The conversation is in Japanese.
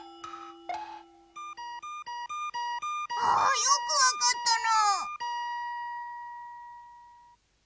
あよくわかったな。